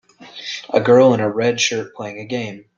a girl in red shirt playing a game.